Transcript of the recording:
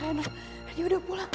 rana rani udah pulang